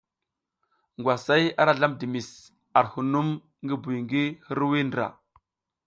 Ngwasay ara slam dimis ar hunum ngi buy ngi hirwuiy ndra.